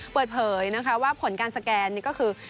เปิดเผยว่าผลการสแกนก็คือ